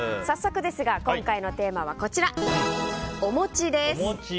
早速ですが、今回のテーマはおもちです。